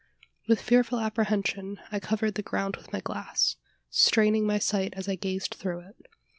With fearful apprehension, I covered the ground with my glass straining my sight as I gazed through it.